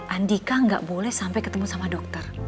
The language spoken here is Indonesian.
andika nggak boleh sampai ketemu sama dokter